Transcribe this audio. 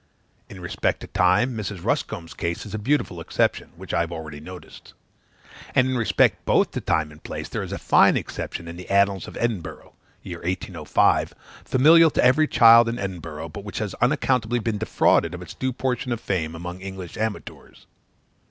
In respect to time, Mrs. Ruscombe's case is a beautiful exception, which I have already noticed; and in respect both to time and place, there is a fine exception in the annals of Edinburgh, (year 1805,) familiar to every child in Edinburgh, but which has unaccountably been defrauded of its due portion of fame amongst English amateurs.